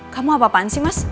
kamu apa apaan sih mas